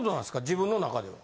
自分の中では。